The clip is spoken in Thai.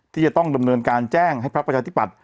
ที่จะต้องดำเนินการแจ้งให้พักประชาธิปัตย